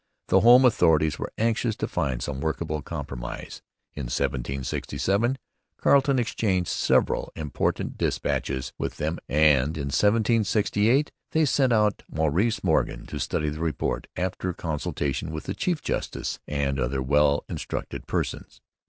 The home authorities were anxious to find some workable compromise. In 1767 Carleton exchanged several important dispatches with them; and in 1768 they sent out Maurice Morgan to study and report, after consultation with the chief justice and 'other well instructed persons.'